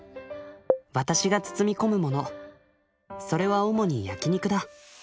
私が包み込むものそれは主に焼き肉だ。